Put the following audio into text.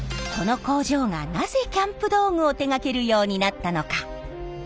この工場がなぜキャンプ道具を手がけるようになったのか？